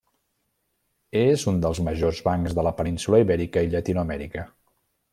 És un dels majors bancs de la península Ibèrica i Llatinoamèrica.